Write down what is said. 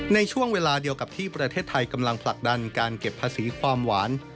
ในช่วงเวลาเดียวกับที่ประเทศไทยกำลังผลักดันการเก็บภาษีความหวาน